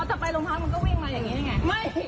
พอจะไปลงทางเหมือนก็วิ่งมาอย่างนี้ใช่มั๊ย